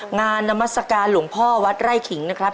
นามัศกาลหลวงพ่อวัดไร่ขิงนะครับ